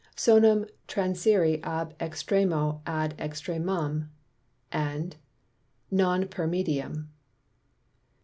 Sonum transire ab extremo ad extremum & non per Medium.